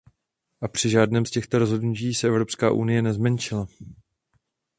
A při žádném z těchto rozhodnutí se Evropská unie nezmenšila.